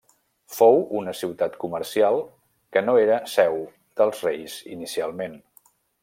Fou una ciutat comercial que no era seu de reis inicialment.